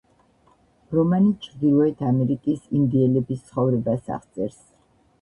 რომანი ჩრდილოეთ ამერიკის ინდიელების ცხოვრებას აღწერს.